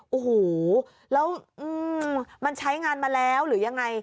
โอ้โหแล้วมันใช้งานมาแล้วหรือยังไง